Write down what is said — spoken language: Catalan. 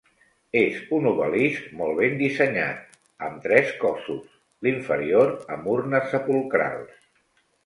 És un obelisc molt ben dissenyat, amb tres cossos, l'inferior amb urnes sepulcrals.